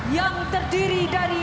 yang terdiri dari